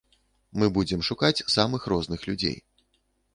Мы будзем шукаць самых розных людзей.